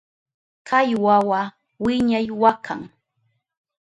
Kay wawa wiñay wakan.